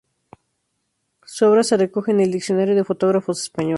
Su obra se recoge en el "Diccionario de fotógrafos españoles.